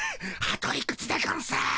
あといくつでゴンス？